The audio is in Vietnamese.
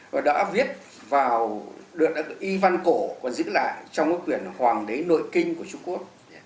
và đã viết vào được y văn cổ còn giữ lại trong cái quyển hoàng đế nội kinh của trung quốc